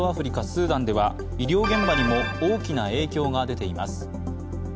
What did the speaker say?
スーダンでは医療現場にも大きな影響が出ています。